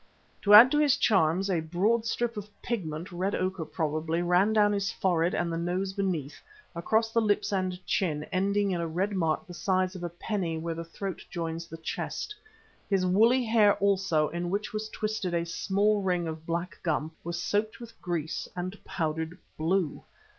To add to his charms a broad strip of pigment, red ochre probably, ran down his forehead and the nose beneath, across the lips and chin, ending in a red mark the size of a penny where the throat joins the chest. His woolly hair also, in which was twisted a small ring of black gum, was soaked with grease and powdered blue.